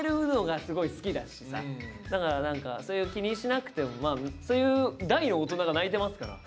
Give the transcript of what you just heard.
だから何かそういう気にしなくてもそういう大の大人が泣いてますから。